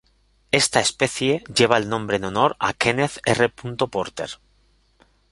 Esta especie lleva el nombre en honor a Kenneth R. Porter.